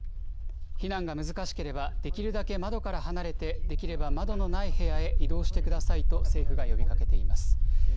避難が難しければ、できるだけ窓から離れて、できれば窓のない部屋へ移動してくださいと政府が呼びかけています。